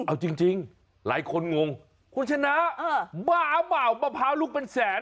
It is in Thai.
เอาจริงหลายคนงงคุณชนะบ้าเปล่ามะพร้าวลูกเป็นแสน